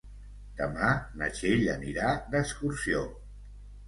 Demà na Txell anirà d'excursió.